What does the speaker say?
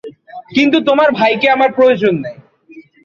কিন্তু তোমার ভাইকে আমাদের প্রয়োজন নেই।